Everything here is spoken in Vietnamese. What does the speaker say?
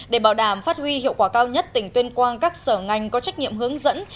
để bảo đảm phát huy hiệu quả cao nhất tỉnh tuyên quang các sở ngành có trách nhiệm hướng dẫn